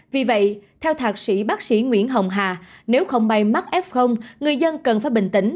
vì vậy theo thạc sĩ bác sĩ nguyễn hồng hạ nếu không bay mắt f người dân cần phải bình tĩnh